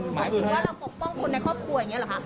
หมายถึงว่าเราปกป้องคนในครอบครัวอย่างนี้หรอคะ